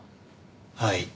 はい。